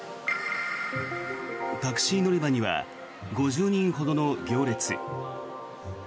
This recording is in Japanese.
タクシー乗り場には５０人ほどの行列。